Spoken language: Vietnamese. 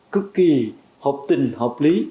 cực kỳ hợp tình hợp lý